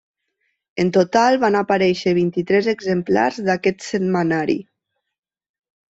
En total van aparèixer vint-i-tres exemplars d'aquest setmanari.